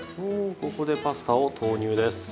おここでパスタを投入です。